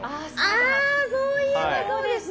あそういえばそうですね。